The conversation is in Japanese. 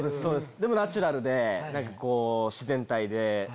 でもナチュラルで何かこう自然体で。